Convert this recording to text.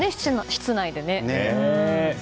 室内でね。